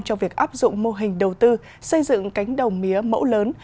cho việc áp dụng mô hình đầu tư xây dựng cánh đồng mía mẫu lớn